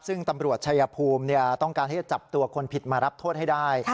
ซึ่งตำรวจชายภูมิต้องการที่จะจับตัวคนผิดมารับโทษให้ได้